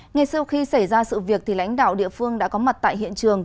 ngay sau khi xảy ra sự việc lãnh đạo địa phương đã có mặt tại hiện trường